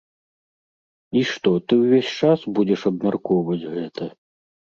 І што ты ўвесь час будзеш абмяркоўваць гэта?